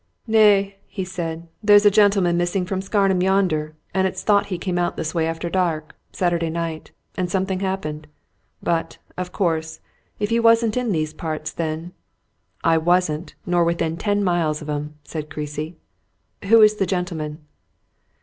"Nay!" he said. "There's a gentleman missing from Scarnham yonder, and it's thought he came out this way after dark, Saturday night, and something happened. But, of course, if you wasn't in these parts then " "I wasn't, nor within ten miles of 'em," said Creasy. "Who is the gentleman?"